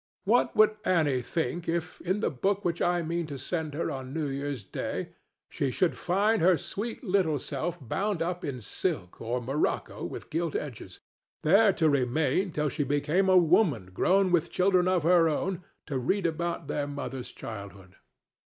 What would Annie think if, in the book which I mean to send her on New Year's day, she should find her sweet little self bound up in silk or morocco with gilt edges, there to remain till she become a woman grown with children of her own to read about their mother's childhood?